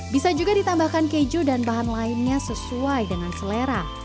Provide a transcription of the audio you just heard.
bisa juga ditambahkan keju dan bahan lainnya sesuai dengan selera